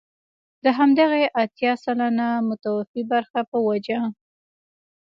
د همدغې اتيا سلنه متوفي برخې په وجه.